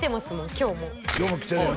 今日も今日も来てるやろ？